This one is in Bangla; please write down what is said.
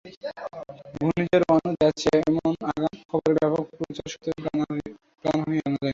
ঘূর্ণিঝড় রোয়ানু ধেয়ে আসছে—এমন আগাম খবরের ব্যাপক প্রচার সত্ত্বেও প্রাণহানি এড়ানো যায়নি।